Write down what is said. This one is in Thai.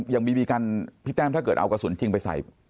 อย่างบีบีกันพี่แต้มถ้าเกิดเอากระสุนทิ้งไปใส่